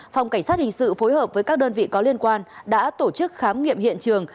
phòng cảnh sát hình sự phối hợp với các đơn vị có liên quan đã tổ chức khám nghiệm hiện trường